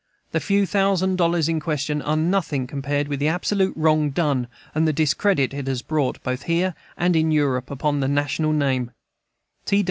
The few thousand dollars in question are nothing compared with the absolute wrong done and the discredit it has brought, both here and in Europe, upon the national name.